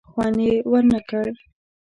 خوند یې ور نه کړ.